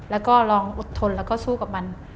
แล้วก็ลองอดทนแล้วก็สู้กับมัน